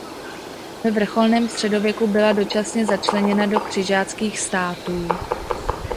Ve vrcholném středověku byla dočasně začleněna do křižáckých států.